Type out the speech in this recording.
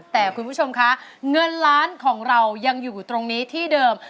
แต่คุณผู้ชมคะเงินล้านของเรายังอยู่ตรงนี้ที่เดิม